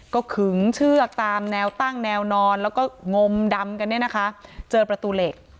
ก็ขึงเชือกตามแนวตั้งแนวนอนแล้วก็งมดำกันเนี่ยนะคะเจอประตูเหล็ก